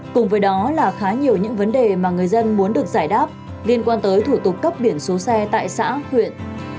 cùng với đó là khá nhiều những vấn đề mà người dân muốn được giải đáp liên quan tới thủ tục cấp biển số xe tại xã huyện